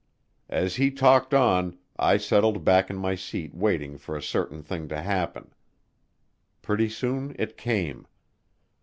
As he talked on, I settled back in my seat waiting for a certain thing to happen. Pretty soon it came.